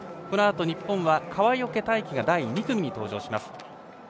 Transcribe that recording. このあと日本は、川除大輝が第２組に登場します。